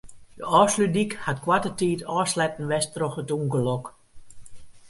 De Ofslútdyk hat koarte tiid ôfsletten west troch it ûngelok.